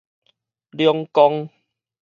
兩光